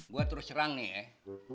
gua terus serang nih eh